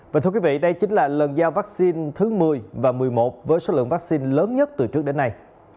và thưa quý vị đây chính là lần giao vaccine thứ một mươi và một mươi một với số lượng vaccine lớn nhất từ trước đến nay